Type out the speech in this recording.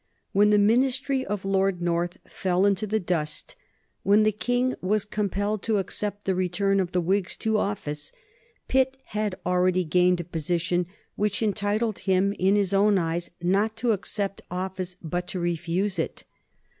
When the Ministry of Lord North fell into the dust, when the King was compelled to accept the return of the Whigs to office, Pitt had already gained a position which entitled him in his own eyes not to accept office but to refuse it.